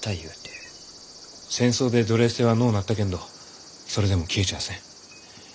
戦争で奴隷制はのうなったけんどそれでも消えちゃあせん。